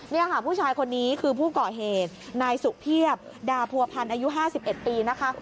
นี่ค่ะผู้ชายคนนี้คือผู้ก่อเหตุนายสุเพียบดาผัวพันธ์อายุ๕๑ปีนะคะ